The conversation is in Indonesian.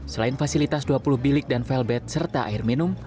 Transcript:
selain fasilitas dua puluh bilik dan felbet serta air minum